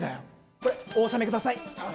これ、お納めください。